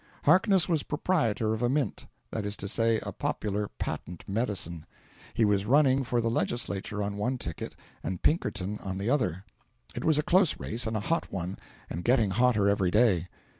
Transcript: Harkness was proprietor of a mint; that is to say, a popular patent medicine. He was running for the Legislature on one ticket, and Pinkerton on the other. It was a close race and a hot one, and getting hotter every day.